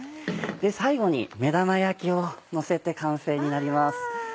最後に目玉焼きをのせて完成になります。